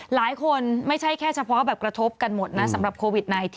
ไม่ใช่แค่เฉพาะแบบกระทบกันหมดนะสำหรับโควิด๑๙